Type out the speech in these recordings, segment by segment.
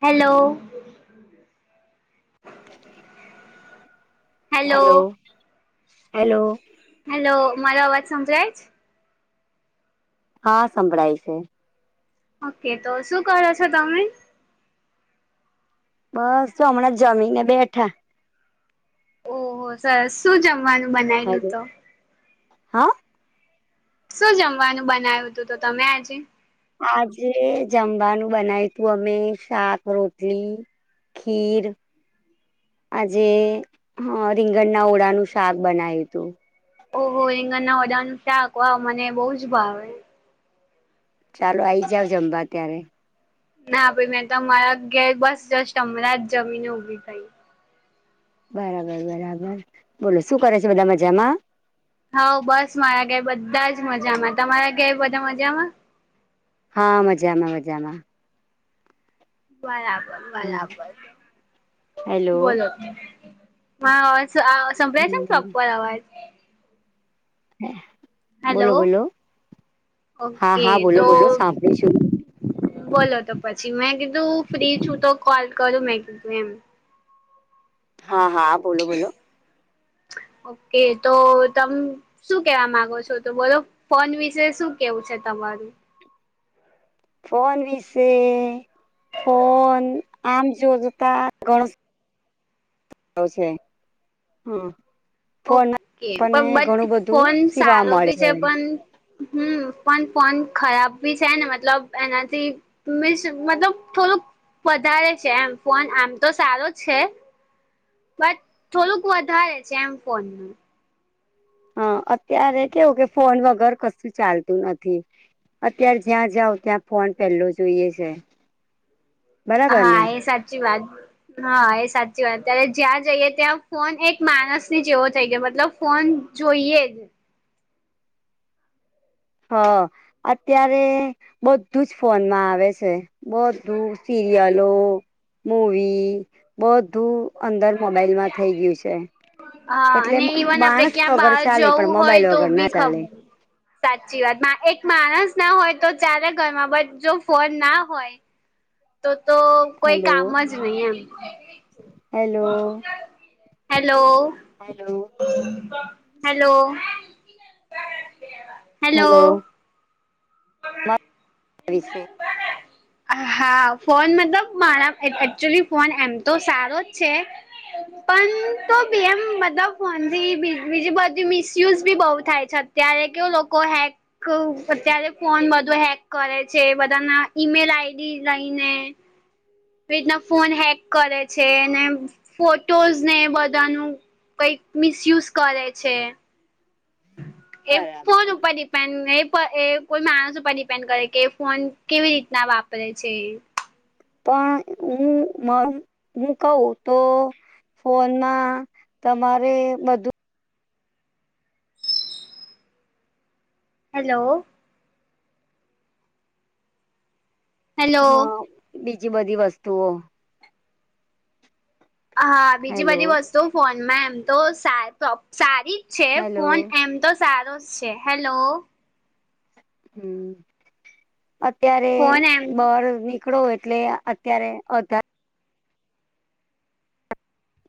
Hello. [inaudible] Hello hello. Hello મારો અવાજ સંભળાય છ? હા સંભળાય છે. ઓકે તો શું કરો છો તમે? બસ તો હમણાં જમીને બેઠા. ઓહો સરસ શું જમવાનું બનાયલું હલો તો. હા. શું જમવાનું બનાવ્યું હતું તો તમે આજે. આજે જમવાનું બનાયુ તું અમે શાક-રોટલી ખીર આજે રીંગણના ઓળાનું શાક બનાયું તું. ઓહો રીંગણ ના ઓદાનુ શાક વાહ મને બહુ જ ભાવે. ચાલો આઈ જાવ જમવા ત્યારે. ના ભાઈ મેં તો મારા ઘેર બસ જસ્ટ હમણા જ જમીન ઊભી થઈ. બરાબર બરાબર બોલો શું કરે છે બધા મજામાં. હઓ બસ મારા ઘેર બધ્ધા જ મજામાં તમારા ઘેર બધા મજામાં. હા મજામાં મજામાં. બરાબર હમ બલાબર હેલો બોલો. હ અ સંભળાય છે ને હમ પ્રોપ્પર અવાજ. બોલો હેલો બોલો હા ઓકે હા બોલો તો બોલો સાંભળીશું. બોલો તો પછી મેં કીધું ફ્રી છું તો કોલ કરું મેં કીધું એમ. હા હા બોલો બોલો. ઓકે તો તમ શું કેવા માંગો છો તો બોલો ફોન વિશે શું કેવું છે તમારું ફોન વિશે ફોન આમ જોતા ઘણું આવશે હુ. ઓકે પણ બટ બધું ફોન શીખવા સારો મળે બી છે પન. હમ્મ પન ફોન ખરાબ બી છે ને મતલબ એનાથી મિસ મતલબ થોલુક વધારે છે એમ ફોન આમ તો સારો જ છે. બટ થોલુક વધારે છે એમ ફોનનું હા અત્યારે કેવું કે ફોન વગર કશું ચાલતું નથી. અત્યારે જ્યાં જાવ ત્યાં ફોન પેલ્લો જોઈએ છે. બરાબર ને હા એ સાચી વાત. હા એ સાચી વાત ત્યારે જ્યાં જઈએ ત્યાં ફોન એક માણસ ની જેવો થઈ ગયો મતલબ ફોન જોઈએ જ. હ અત્યારે બધું જ ફોનમાં આવે છે. બધું સીરિયલો મૂવી બધું. અંદર મોબાઈલ માં થઇ ગયું છે. હા એટલે અને ઈવન આપડે માણસ ક્યાં વગર બહાર ચાલે પણ જવું હોય મોબાઈલ તો વગર ના ભી ખબ. ચાલે સાચી વાત ના એક માણસ ના હોય તો ચાલે ઘરમાં બટ જો ફોન ના હોય તો તો કોઈ હેલો કામ જ નહી એમ. Hello hello. Hello. Hello hello. Hello. તશે [inaudible] બ [inaudible] હા ફોન મતલબ મારા એકચુલી ફોન એમ તો સારો જ છે હમ [inaudible] પણ તો બી એમ મતલબ ફોન થી બી બીજી બધી મિસયુઝ બી બહુ થાય છે. ત્યારે કેવું લોકો હેક અત્યારે ફોન બધું હેક કરે છે બધાના ઈમેલ આઈડી લઈને એ રીતના ફોન હેક કરે છે ને ફોટોઝ ને બધાનું કઈક મિસયુઝ કરે છે એ ફોન બરાબર ઉપર ડી પણ એ પર એ કોઈ માણસ ઉપર ડિપેન્ડ કરે કે ફોન કેવી રીતના વાપરે છે ઇ. પણ હું મો હું કહું તો ફોનમાં તમારે બધું હેલો. હેલો હા બીજી બધી વસ્તુઓ. હા બીજી હેલો બધી વસ્તુ ફોનમાં એમ તો સાત સારી જ છે હેલો ફોન એમ તો સારો જ છે હેલો. હમ અત્યારે ફોન એમ બર નિકળો એટલે અત્યારે અ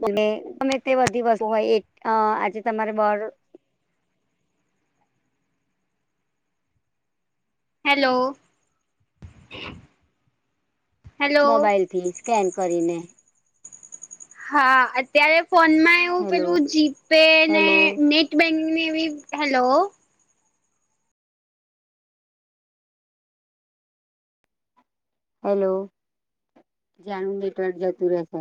અને તમે તેવા દિવસ હોય એ અ આજે તમારે બ હેલો. હેલો મોબાઈલ થીલી સ્કેન કરીને. હા અત્યારે ફોનમાં એવું હેલો પેલું જીપે ને હેલો નેટ બેન્ક ને એવી હેલો. હેલો જાન નેટવર્ક જતુ રેશે.